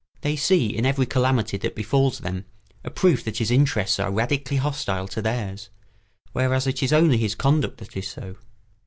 They see in every calamity that befalls them a proof that his interests are radically hostile to theirs, whereas it is only his conduct that is so.